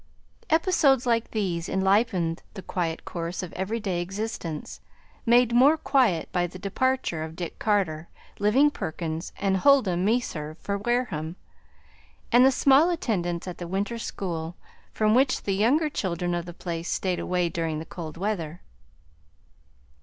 Episodes like these enlivened the quiet course of every day existence, made more quiet by the departure of Dick Carter, Living Perkins, and Huldah Meserve for Wareham, and the small attendance at the winter school, from which the younger children of the place stayed away during the cold weather.